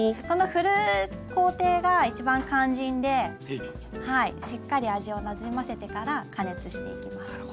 この振る工程が一番肝心でしっかり味をなじませてから加熱していきます。